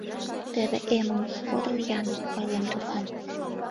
Теве эмым подыл-ян, — ойлем тудлан.